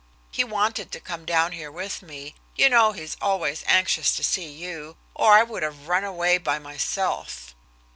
He wanted to come down here with me, you know he's always anxious to see you, or I would have run away by myself."